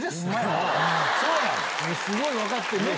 すごい分かってる。